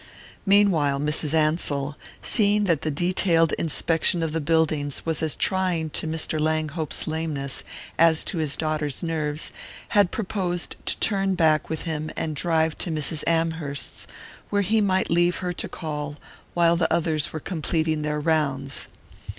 Meanwhile Mrs. Ansell, seeing that the detailed inspection of the buildings was as trying to Mr. Langhope's lameness as to his daughter's nerves, had proposed to turn back with him and drive to Mrs. Amherst's, where he might leave her to call while the others were completing their rounds.